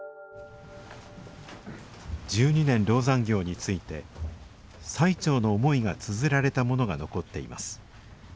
十二年籠山行について最澄の思いがつづられたものが残っています